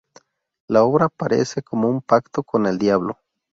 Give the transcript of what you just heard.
La obra parece como un pacto con el diablo.